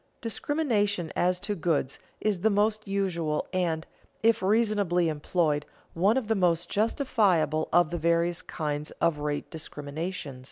Discrimination as to goods is the most usual and, if reasonably employed, one of the most justifiable of the various kinds of rate discriminations.